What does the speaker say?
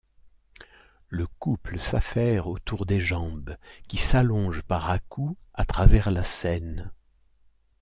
Le couple s'affaire autour des jambes qui s'allongent par à-coups à travers la scène.